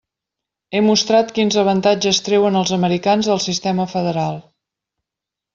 He mostrat quins avantatges treuen els americans del sistema federal.